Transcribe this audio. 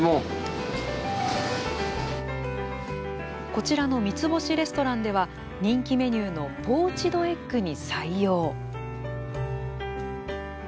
こちらの三つ星レストランでは人気メニューのポーチドエッグに採用。